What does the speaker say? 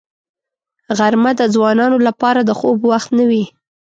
غرمه د ځوانانو لپاره د خوب وخت نه وي